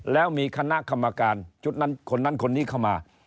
แล้วมีคณะกรรมการชุดนั้นคนนั้นคนนี้เข้ามา